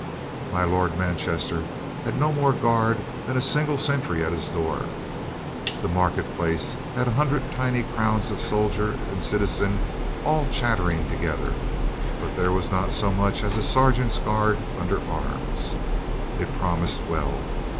My Lord Manchester had no more guard than a single sentry at his door. The market place had a hundred tiny crowds of soldier and citizen all chattering together, but there was not so much as a sergeant's guard under arms. It promised well.